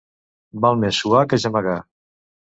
Val més suar que gemegar.